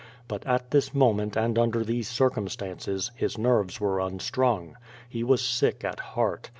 But at this moment and under these circumstances, his nerACs were unstrung. He was sick at heart.